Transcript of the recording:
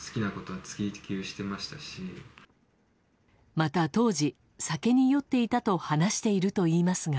また当時、酒に酔っていたと話しているといいますが。